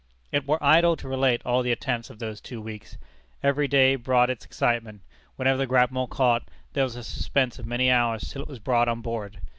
It were idle to relate all the attempts of those two weeks. Every day brought its excitement. Whenever the grapnel caught, there was a suspense of many hours till it was brought on board.